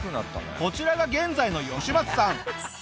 こちらが現在のヨシマツさん。